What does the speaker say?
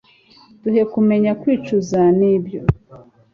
duhe kumenya kwicuza, ni byo